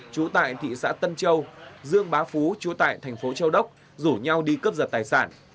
chú tại thị xã tân châu dương bá phú chú tại thành phố châu đốc rủ nhau đi cướp giật tài sản